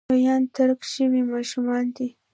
لویان ترک شوي ماشومان دي.